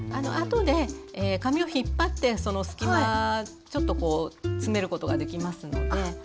あとで紙を引っ張ってその隙間ちょっとこう詰めることができますので。